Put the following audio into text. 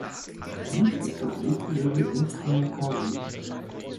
Dies ist das richtigere Instrumentarium.